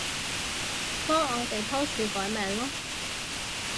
幫我哋棵樹改名囉